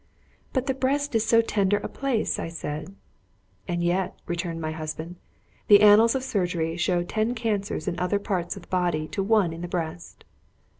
"But the breast is so tender a place," I said. "And yet," returned my husband, "the annals of surgery show ten cancers in other parts of the body to one in the breast."